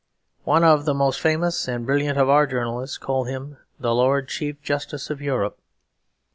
One of the most famous and brilliant of our journalists called him "the Lord Chief Justice of Europe."